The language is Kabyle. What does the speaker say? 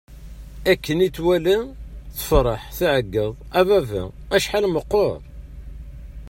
Akken i tt-walat, tefṛeḥ, tɛeggeḍ: A baba! Acḥal meqqeṛ!